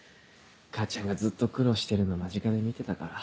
母ちゃんがずっと苦労してるの間近で見てたから。